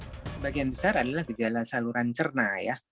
sebagian besar adalah gejala saluran cerna ya